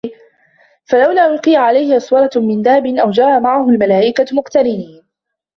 فَلَولا أُلقِيَ عَلَيهِ أَسوِرَةٌ مِن ذَهَبٍ أَو جاءَ مَعَهُ المَلائِكَةُ مُقتَرِنينَ